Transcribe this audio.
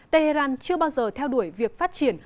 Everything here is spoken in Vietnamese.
tehran chưa bao giờ theo đuổi việc phát triển